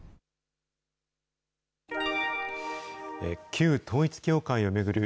旧統一教会を巡る